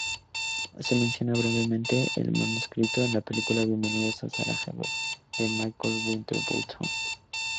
Se menciona brevemente el manuscrito en la película Bienvenidos a Sarajevo de Michael Winterbottom.